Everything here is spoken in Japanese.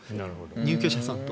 入居者さんと。